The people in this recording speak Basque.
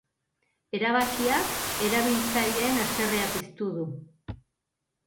Erabakiak erabiltzaileen haserrea piztu du.